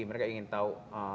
mereka ingin tahu